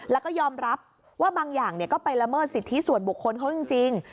แล้วก็ยอมรับว่าบางอย่างก็ไปละเมิดสิทธิส่วนบุคคลเขาจริง